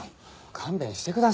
勘弁してください。